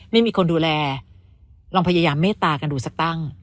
ไม่มีคนดูแลลองพยายามเมตตากันดูสักตั้ง